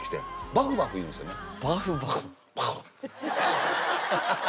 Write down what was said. バフバフいうんですよね。